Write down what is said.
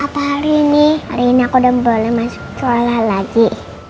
apa hari ini reina udah boleh masuk sekolah lagi